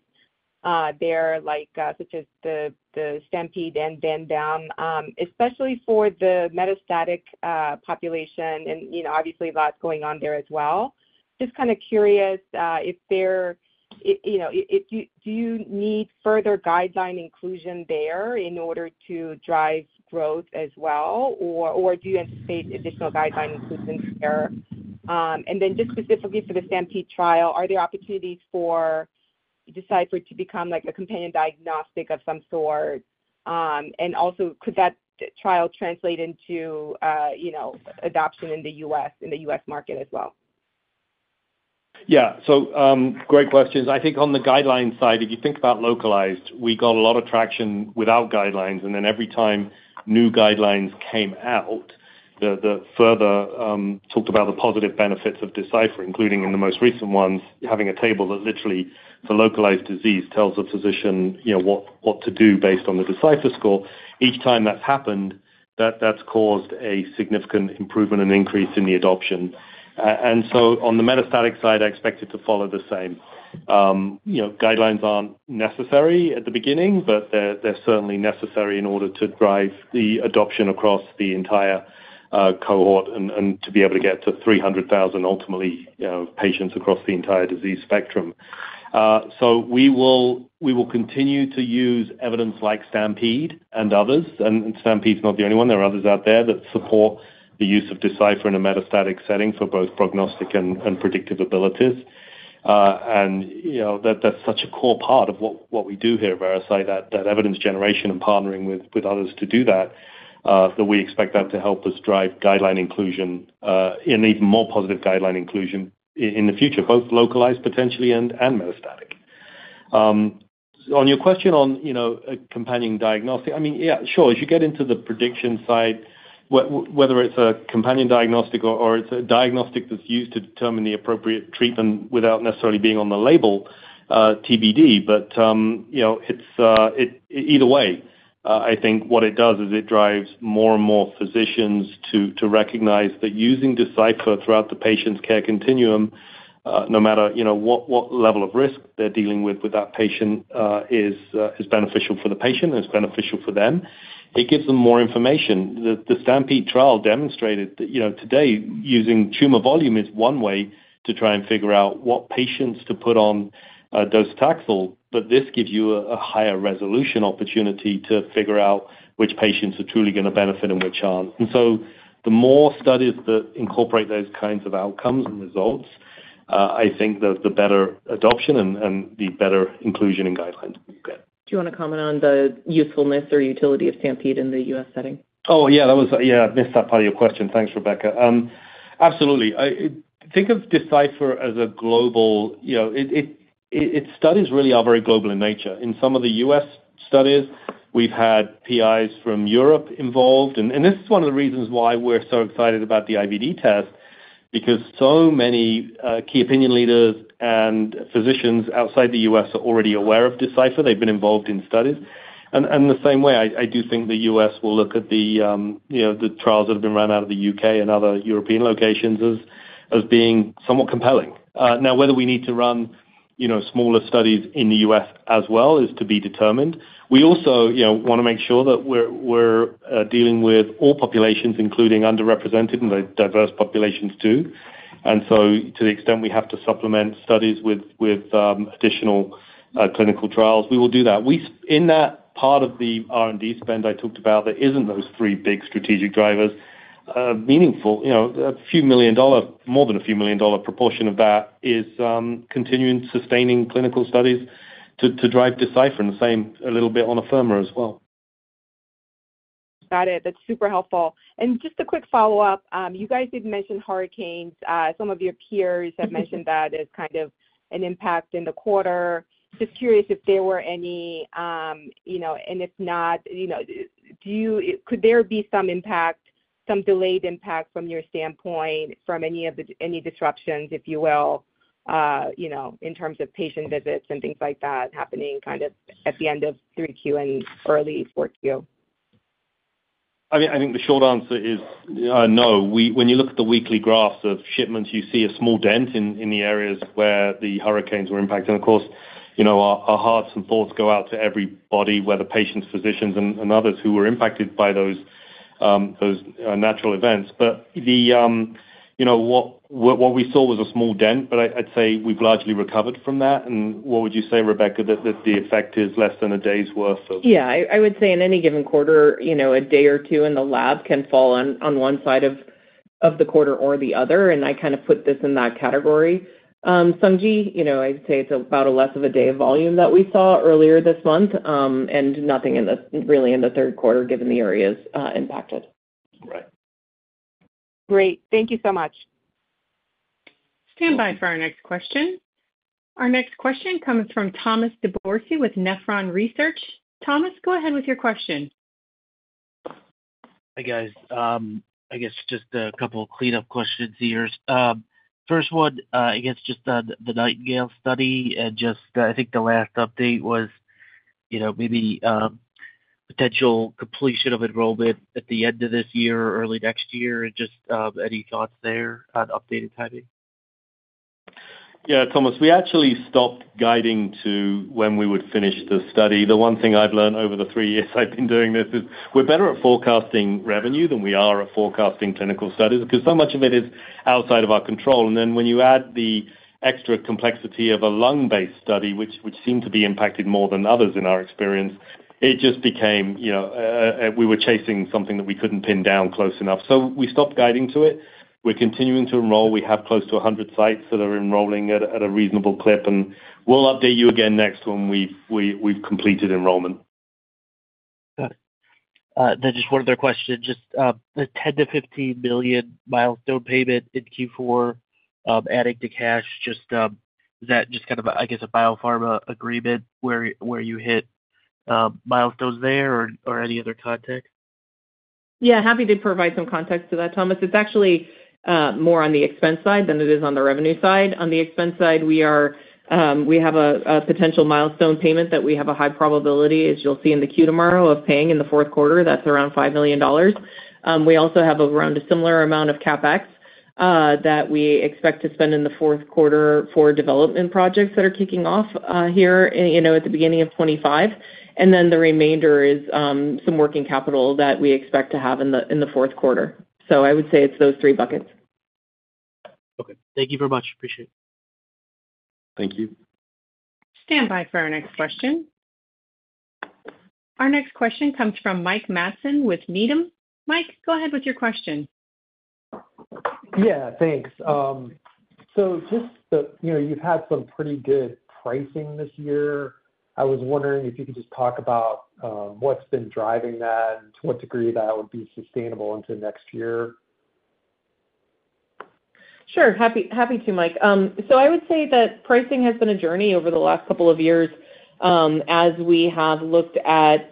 I: there, such as the STAMPEDE and VANDAAM, especially for the metastatic population. And obviously, a lot going on there as well. Just kind of curious if there do you need further guideline inclusion there in order to drive growth as well, or do you anticipate additional guideline inclusions there? And then just specifically for the STAMPEDE trial, are there opportunities for Decipher to become a companion diagnostic of some sort? And also, could that trial translate into adoption in the U.S. market as well?
C: Yeah. So great questions. I think on the guideline side, if you think about localized, we got a lot of traction without guidelines. And then every time new guidelines came out, they further talked about the positive benefits of Decipher, including in the most recent ones, having a table that literally, for localized disease, tells a physician what to do based on the Decipher score. Each time that's happened, that's caused a significant improvement and increase in the adoption. And so on the metastatic side, I expect it to follow the same. Guidelines aren't necessary at the beginning, but they're certainly necessary in order to drive the adoption across the entire cohort and to be able to get to 300,000 ultimately patients across the entire disease spectrum. So we will continue to use evidence like STAMPEDE and others. And STAMPEDE's not the only one. There are others out there that support the use of Decipher in a metastatic setting for both prognostic and predictive abilities. That's such a core part of what we do here, Veracyte, that evidence generation and partnering with others to do that, that we expect that to help us drive guideline inclusion and even more positive guideline inclusion in the future, both localized potentially and metastatic. On your question on companion diagnostic, I mean, yeah, sure. As you get into the prediction side, whether it's a companion diagnostic or it's a diagnostic that's used to determine the appropriate treatment without necessarily being on the label TBD, but it's either way. I think what it does is it drives more and more physicians to recognize that using Decipher throughout the patient's care continuum, no matter what level of risk they're dealing with, that patient is beneficial for the patient and is beneficial for them. It gives them more information. The STAMPEDE trial demonstrated that today, using tumor volume is one way to try and figure out what patients to put on docetaxel, but this gives you a higher resolution opportunity to figure out which patients are truly going to benefit and which aren't. And so the more studies that incorporate those kinds of outcomes and results, I think the better adoption and the better inclusion in guidelines.
D: Do you want to comment on the usefulness or utility of STAMPEDE in the U.S. setting?
C: Oh, yeah. Yeah. I missed that part of your question. Thanks, Rebecca. Absolutely. Think of Decipher as global. Its studies really are very global in nature. In some of the U.S. studies, we've had PIs from Europe involved. And this is one of the reasons why we're so excited about the IVD test, because so many key opinion leaders and physicians outside the U.S. are already aware of Decipher. They've been involved in studies. And the same way, I do think the U.S. will look at the trials that have been run out of the U.K. and other European locations as being somewhat compelling. Now, whether we need to run smaller studies in the U.S. as well is to be determined. We also want to make sure that we're dealing with all populations, including underrepresented, and the diverse populations too. And so to the extent we have to supplement studies with additional clinical trials, we will do that. In that part of the R&D spend I talked about, there isn't those three big strategic drivers. Meaningful, $ a few million dollars, more than $ a few million dollars proportion of that is continuing sustaining clinical studies to drive Decipher and the same a little bit on Afirma as well.
I: Got it. That's super helpful. And just a quick follow-up. You guys did mention hurricanes. Some of your peers have mentioned that as kind of an impact in the quarter. Just curious if there were any, and if not, could there be some impact, some delayed impact from your standpoint, from any disruptions, if you will, in terms of patient visits and things like that happening kind of at the end of 3Q and early 4Q?
C: I think the short answer is no. When you look at the weekly graphs of shipments, you see a small dent in the areas where the hurricanes were impacting. Of course, our hearts and thoughts go out to everybody, whether patients, physicians, and others who were impacted by those natural events. But what we saw was a small dent, but I'd say we've largely recovered from that. What would you say, Rebecca, that the effect is less than a day's worth of?
D: Yeah. I would say in any given quarter, a day or two in the lab can fall on one side of the quarter or the other. I kind of put this in that category. Sung Ji, I'd say it's about a less of a day of volume that we saw earlier this month and nothing really in the third quarter given the areas impacted.
C: Right.
I: Great. Thank you so much.
A: Stand by for our next question. Our next question comes from Thomas DeBourcy with Nephron Research. Thomas, go ahead with your question. Hi, guys.
J: I guess just a couple of cleanup questions here. First one, I guess just the Nightingale study and just I think the last update was maybe potential completion of enrollment at the end of this year, early next year, and just any thoughts there on updated timing?
C: Yeah. Thomas, we actually stopped guiding to when we would finish the study. The one thing I've learned over the three years I've been doing this is we're better at forecasting revenue than we are at forecasting clinical studies because so much of it is outside of our control. And then when you add the extra complexity of a lung-based study, which seemed to be impacted more than others in our experience, it just became we were chasing something that we couldn't pin down close enough. So we stopped guiding to it. We're continuing to enroll. We have close to 100 sites that are enrolling at a reasonable clip. And we'll update you again next when we've completed enrollment.
J: Got it. Then just one other question. Just the $10 million-$15 million milestone payment in Q4, adding to cash, is that just kind of, I guess, a BioPharma agreement where you hit milestones there or any other context?
D: Yeah. Happy to provide some context to that, Thomas. It's actually more on the expense side than it is on the revenue side. On the expense side, we have a potential milestone payment that we have a high probability, as you'll see in the 10-Q tomorrow, of paying in the fourth quarter. That's around $5 million. We also have around a similar amount of CapEx that we expect to spend in the fourth quarter for development projects that are kicking off here at the beginning of 2025. And then the remainder is some working capital that we expect to have in the fourth quarter. So I would say it's those three buckets.
J: Okay. Thank you very much. Appreciate it.
A: Thank you. Stand by for our next question. Our next question comes from Mike Matson with Needham. Mike, go ahead with your question.
K: Yeah. Thanks. So just you've had some pretty good pricing this year. I was wondering if you could just talk about what's been driving that and to what degree that would be sustainable into next year.
D: Sure. Happy to, Mike. So I would say that pricing has been a journey over the last couple of years as we have looked at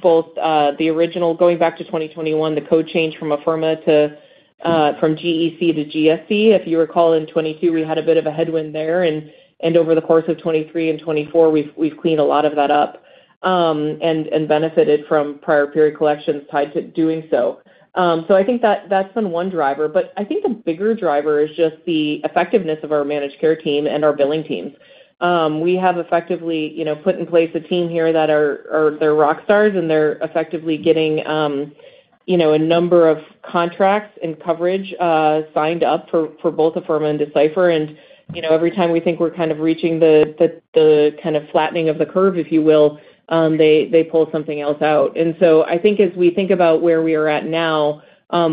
D: both the original going back to 2021, the code change from Afirma from GEC to GSC. If you recall, in 2022, we had a bit of a headwind there. And over the course of 2023 and 2024, we've cleaned a lot of that up and benefited from prior period collections tied to doing so. So I think that's been one driver. But I think the bigger driver is just the effectiveness of our managed care team and our billing teams. We have effectively put in place a team here that are rock stars, and they're effectively getting a number of contracts and coverage signed up for both Afirma and Decipher. And every time we think we're kind of reaching the kind of flattening of the curve, if you will, they pull something else out. And so I think as we think about where we are at now,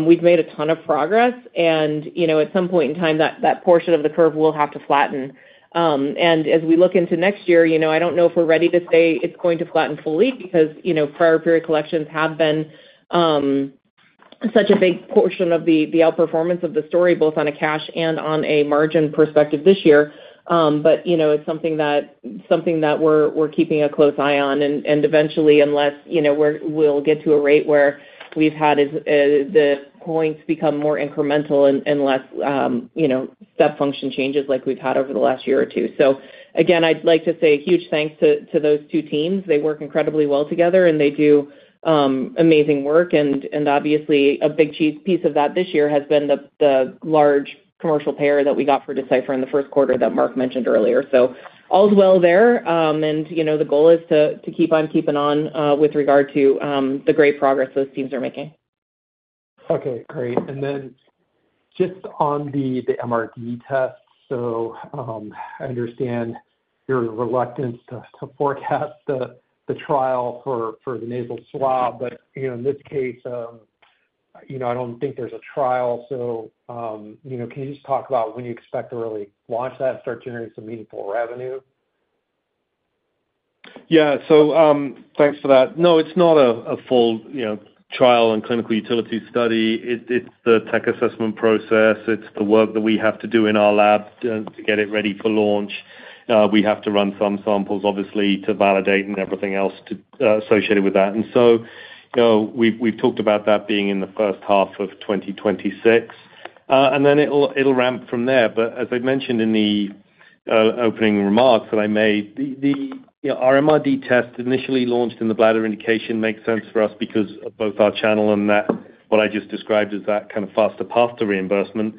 D: we've made a ton of progress. And at some point in time, that portion of the curve will have to flatten. And as we look into next year, I don't know if we're ready to say it's going to flatten fully because prior period collections have been such a big portion of the outperformance of the story, both on a cash and on a margin perspective this year. But it's something that we're keeping a close eye on. And eventually, unless we'll get to a rate where we've had the points become more incremental and less step function changes like we've had over the last year or two. So again, I'd like to say a huge thanks to those two teams. They work incredibly well together, and they do amazing work. And obviously, a big piece of that this year has been the large commercial payer that we got for Decipher in the first quarter that Marc mentioned earlier. So all's well there. The goal is to keep on keeping on with regard to the great progress those teams are making.
K: Okay. Great. Just on the MRD test, so I understand your reluctance to forecast the trial for the nasal swab, but in this case, I don't think there's a trial. Can you just talk about when you expect to really launch that and start generating some meaningful revenue?
C: Yeah. Thanks for that. No, it's not a full trial and clinical utility study. It's the tech assessment process. It's the work that we have to do in our lab to get it ready for launch. We have to run some samples, obviously, to validate and everything else associated with that. We've talked about that being in the first half of 2026. It will ramp from there. But as I mentioned in the opening remarks that I made, the MRD test initially launched in the bladder indication makes sense for us because of both our channel and what I just described as that kind of faster path to reimbursement.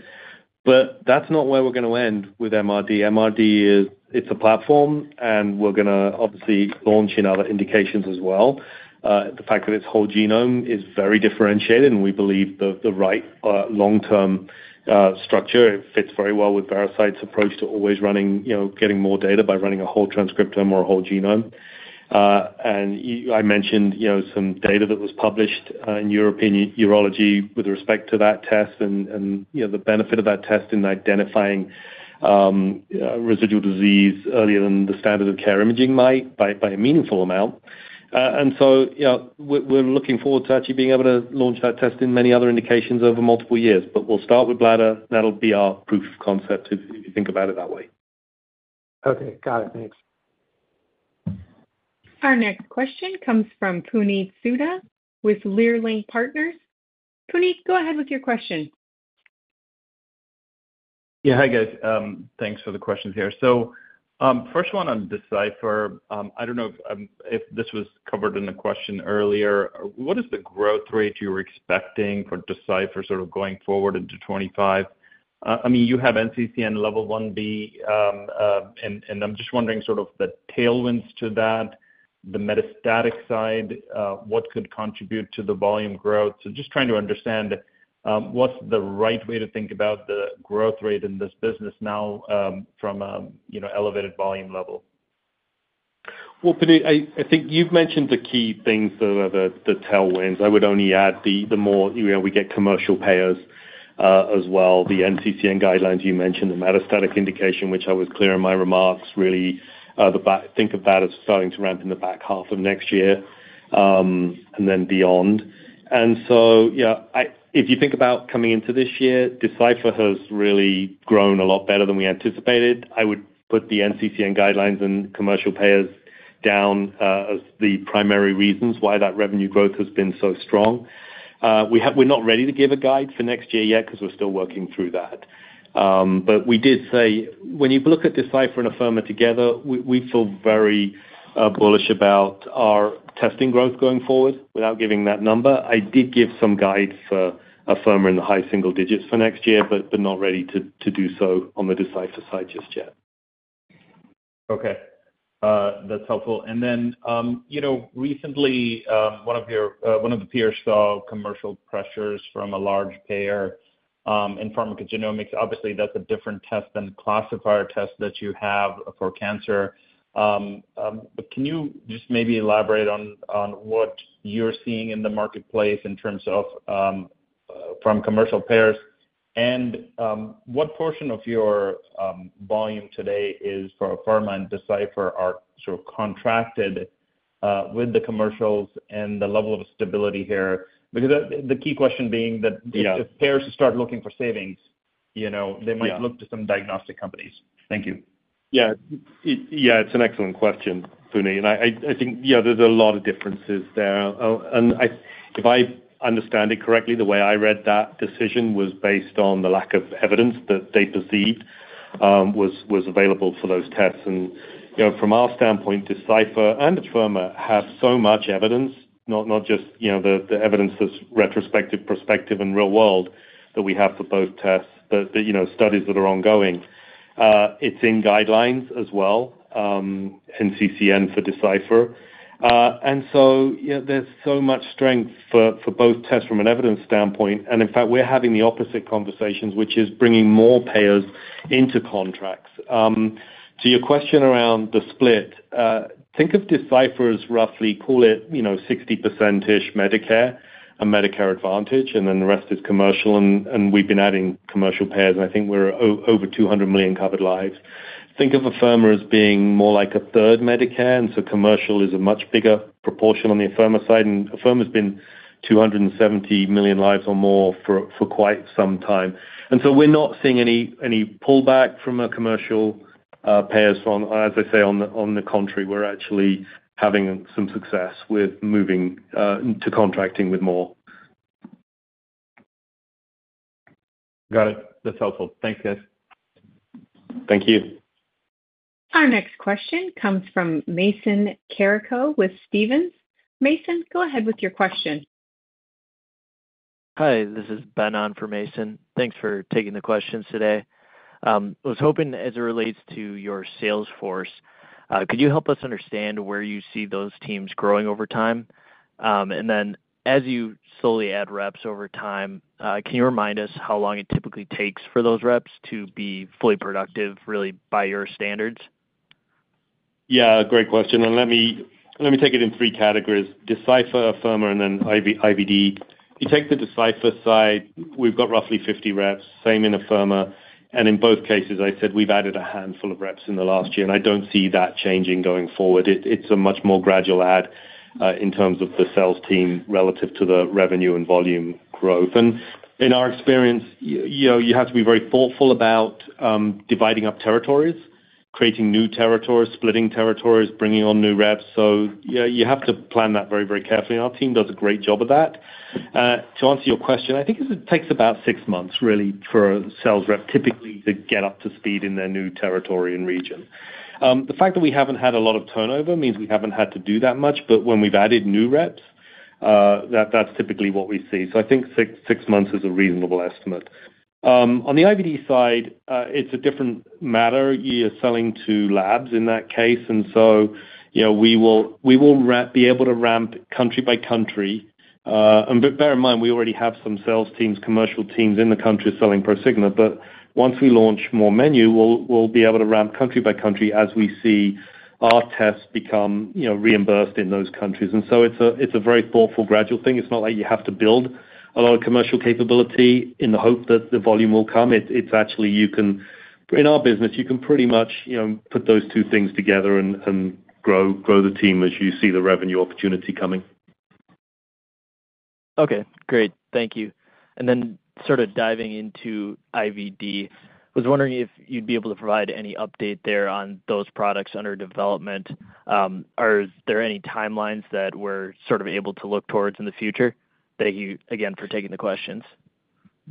C: But that's not where we're going to end with MRD. MRD, it's a platform, and we're going to obviously launch in other indications as well. The fact that its whole genome is very differentiated, and we believe the right long-term structure, it fits very well with Veracyte's approach to always getting more data by running a whole transcriptome or a whole genome. And I mentioned some data that was published in European Urology with respect to that test and the benefit of that test in identifying residual disease earlier than the standard of care imaging might by a meaningful amount. And so we're looking forward to actually being able to launch that test in many other indications over multiple years. But we'll start with bladder. That'll be our proof of concept if you think about it that way.
K: Okay. Got it. Thanks.
A: Our next question comes from Puneet Souda with Leerink Partners. Puneet, go ahead with your question.
L: Yeah. Hi, guys. Thanks for the questions here. So first one on Decipher, I don't know if this was covered in the question earlier. What is the growth rate you're expecting for Decipher sort of going forward into 2025? I mean, you have NCCN level 1B, and I'm just wondering sort of the tailwinds to that, the metastatic side, what could contribute to the volume growth? So just trying to understand what's the right way to think about the growth rate in this business now from an elevated volume level.
C: Puneet, I think you've mentioned the key things that are the tailwinds. I would only add the more we get commercial payers as well, the NCCN guidelines you mentioned, the metastatic indication, which I was clear in my remarks. Really think of that as starting to ramp in the back half of next year and then beyond, so if you think about coming into this year, Decipher has really grown a lot better than we anticipated. I would put the NCCN guidelines and commercial payers down as the primary reasons why that revenue growth has been so strong. We're not ready to give a guide for next year yet because we're still working through that, but we did say, when you look at Decipher and Afirma together, we feel very bullish about our testing growth going forward without giving that number. I did give some guides for Afirma in the high single digits for next year, but not ready to do so on the Decipher side just yet.
L: Okay. That's helpful. And then recently, one of the peers saw commercial pressures from a large payer in pharmacogenomics. Obviously, that's a different test than classifier tests that you have for cancer. But can you just maybe elaborate on what you're seeing in the marketplace in terms of from commercial payers? And what portion of your volume today is for Afirma and Decipher are sort of contracted with the commercials and the level of stability here? Because the key question being that if payers start looking for savings, they might look to some diagnostic companies. Thank you.
C: Yeah. Yeah. It's an excellent question, Puneet. And I think there's a lot of differences there. If I understand it correctly, the way I read that decision was based on the lack of evidence that they perceived was available for those tests. And from our standpoint, Decipher and Afirma have so much evidence, not just the evidence that's retrospective, prospective, and real-world that we have for both tests, the studies that are ongoing. It's in guidelines as well, NCCN for Decipher. And so there's so much strength for both tests from an evidence standpoint. And in fact, we're having the opposite conversations, which is bringing more payers into contracts. To your question around the split, think of Decipher as roughly call it 60%-ish Medicare and Medicare Advantage, and then the rest is commercial. And we've been adding commercial payers, and I think we're over 200 million covered lives. Think of Afirma as being more like a third Medicare. And so commercial is a much bigger proportion on the Afirma side. And Afirma has been 270 million lives or more for quite some time. And so we're not seeing any pullback from a commercial payers fund. As I say, on the contrary, we're actually having some success with moving to contracting with more.
L: Got it. That's helpful. Thanks, guys.
C: Thank you.
A: Our next question comes from Mason Carrico with Stephens. Mason, go ahead with your question.
M: Hi. This is Ben on for Mason. Thanks for taking the questions today. I was hoping as it relates to your sales force, could you help us understand where you see those teams growing over time? And then as you slowly add reps over time, can you remind us how long it typically takes for those reps to be fully productive, really by your standards?
C: Yeah. Great question. And let me take it in three categories: Decipher, Afirma, and then IVD. You take the Decipher side, we've got roughly 50 reps, same in Afirma. And in both cases, I said we've added a handful of reps in the last year. And I don't see that changing going forward. It's a much more gradual add in terms of the sales team relative to the revenue and volume growth. And in our experience, you have to be very thoughtful about dividing up territories, creating new territories, splitting territories, bringing on new reps. So you have to plan that very, very carefully. And our team does a great job of that. To answer your question, I think it takes about six months, really, for a sales rep typically to get up to speed in their new territory and region. The fact that we haven't had a lot of turnover means we haven't had to do that much, but when we've added new reps, that's typically what we see, so I think six months is a reasonable estimate. On the IVD side, it's a different matter. You're selling to labs in that case, and so we will be able to ramp country by country, and bear in mind, we already have some sales teams, commercial teams in the country selling Prosigna, but once we launch more menu, we'll be able to ramp country by country as we see our tests become reimbursed in those countries, and so it's a very thoughtful gradual thing. It's not like you have to build a lot of commercial capability in the hope that the volume will come. It's actually you can in our business, you can pretty much put those two things together and grow the team as you see the revenue opportunity coming.
N: Okay. Great. Thank you. And then sort of diving into IVD, I was wondering if you'd be able to provide any update there on those products under development. Are there any timelines that we're sort of able to look towards in the future? Thank you again for taking the questions.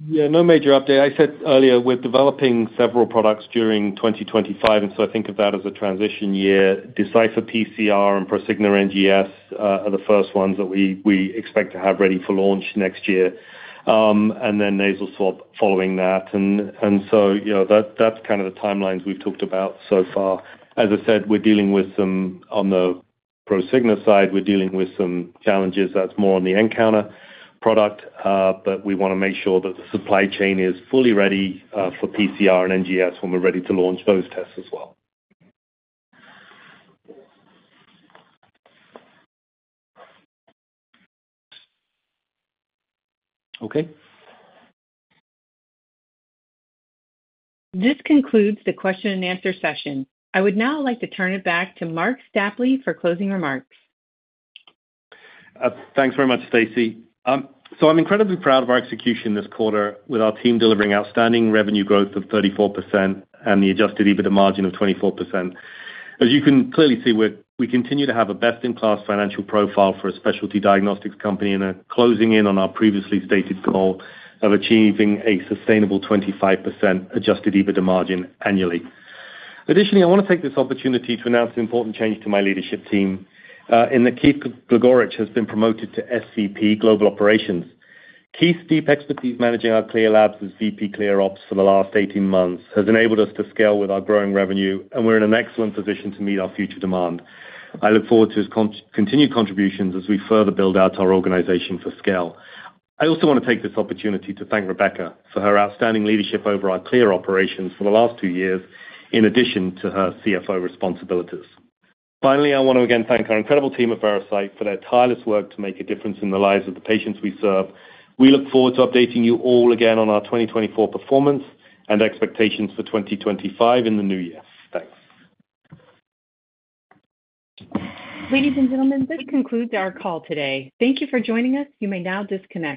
N: Y
C: eah. No major update. I said earlier we're developing several products during 2025, and so I think of that as a transition year. Decipher, PCR, and Prosigna or NGS are the first ones that we expect to have ready for launch next year, and then nasal swab following that. And so that's kind of the timelines we've talked about so far. As I said, we're dealing with some on the Prosigna side, we're dealing with some challenges that's more on the nCounter product. But we want to make sure that the supply chain is fully ready for PCR and NGS when we're ready to launch those tests as well.
N: Okay.
A: This concludes the question and answer session. I would now like to turn it back to Marc Stapley for closing remarks.
C: Thanks very much, Stacey. So I'm incredibly proud of our execution this quarter with our team delivering outstanding revenue growth of 34% and the Adjusted EBITDA margin of 24%. As you can clearly see, we continue to have a best-in-class financial profile for a specialty diagnostics company and are closing in on our previously stated goal of achieving a sustainable 25% Adjusted EBITDA margin annually. Additionally, I want to take this opportunity to announce an important change to my leadership team. That Keith Gligorich has been promoted to SVP, Global Operations. Keith's deep expertise managing our CLIA labs as VP CLIA Ops for the last 18 months has enabled us to scale with our growing revenue, and we're in an excellent position to meet our future demand. I look forward to his continued contributions as we further build out our organization for scale. I also want to take this opportunity to thank Rebecca for her outstanding leadership over our CLIA Operations for the last two years in addition to her CFO responsibilities. Finally, I want to again thank our incredible team at Veracyte for their tireless work to make a difference in the lives of the patients we serve. We look forward to updating you all again on our 2024 performance and expectations for 2025 in the new year.
A: Thanks. Ladies and gentlemen, this concludes our call today. Thank you for joining us. You may now disconnect.